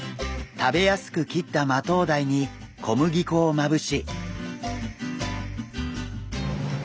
食べやすく切ったマトウダイに小麦粉をまぶし。